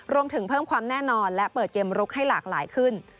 รวมถึงเพิ่มความแน่นอนและเปิดเกมลุกให้หลากหลายขึ้น